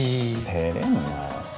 てれんなよ。